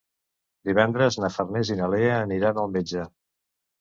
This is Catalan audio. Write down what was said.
Divendres na Farners i na Lea aniran al metge.